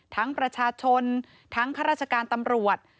ประชาชนทั้งข้าราชการตำรวจ